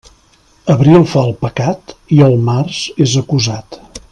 Abril fa el pecat, i el març és acusat.